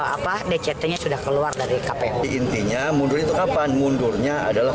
apa dct nya sudah keluar dari kpp intinya mundur itu kapan mundurnya adalah